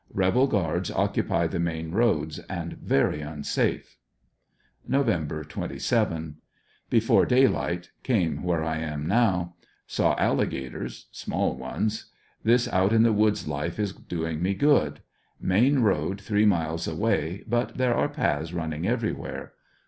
Rebel guards occupy the main roads, and very unsafe. Nov. 27. — Before daylight came where I now am. Saw alliga tors — small ones This out in the woods life is doing me good. Main road three miles away, but there are paths running every where.